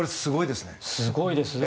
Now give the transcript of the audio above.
すごいです。